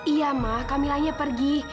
iya ma kamilanya pergi